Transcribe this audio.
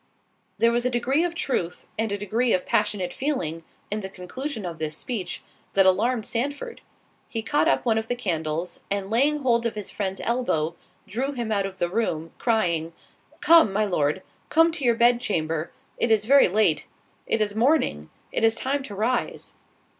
There was a degree of truth, and a degree of passionate feeling, in the conclusion of this speech, that alarmed Sandford—he caught up one of the candles, and, laying hold of his friend's elbow, drew him out of the room, crying, "Come, my Lord, come to your bed chamber—it is very late—it is morning—it is time to rise."